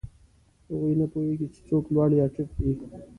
هغوی نه پوهېږي، چې څوک لوړ یا ټیټ دی.